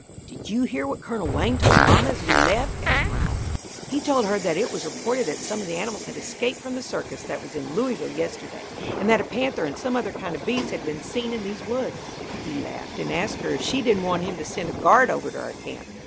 "Did you hear what Colonel Wayne told mamma as we left?" asked Ranald. "He told her that it was reported that some of the animals had escaped from the circus that was in Louisville yesterday, and that a panther and some other kind of a beast had been seen in these woods. He laughed and asked her if she didn't want him to send a guard over to our camp.